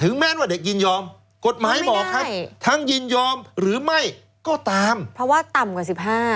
แม้ว่าเด็กยินยอมกฎหมายบอกครับทั้งยินยอมหรือไม่ก็ตามเพราะว่าต่ำกว่า๑๕